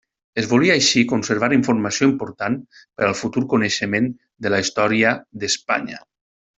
Es volia així conservar informació important per al futur coneixement de la història d'Espanya.